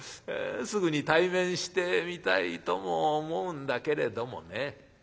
すぐに対面してみたいとも思うんだけれどもね